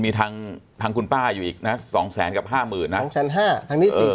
มีทางทางคุณป้าอยู่อีกนะ๒๐๐๐๐๐กับ๕๐๐๐๐นะทางนี้๔๐๐๐๐๐